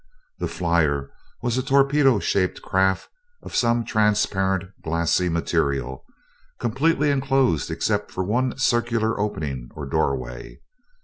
The flier was a torpedo shaped craft of some transparent, glassy material, completely enclosed except for one circular opening or doorway.